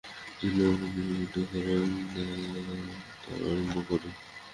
যদি অনুমতি করেন তো আরম্ভ করি।